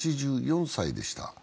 ８４歳でした。